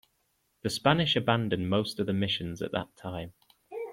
The Spanish abandoned most of the missions at that time.